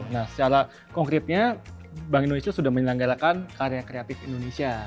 nah secara konkretnya bank indonesia sudah menyelenggarakan karya kreatif indonesia